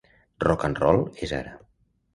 Rock'n'roll és ara.